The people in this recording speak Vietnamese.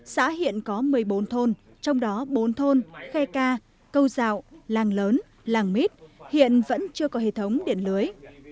xã hiện có một mươi bốn thôn trong đó bốn thôn khe ca câu dạo làng lớn làng mít hiện vẫn chưa có hệ thống điện lưới